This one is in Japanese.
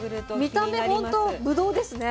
見た目ほんとぶどうですね。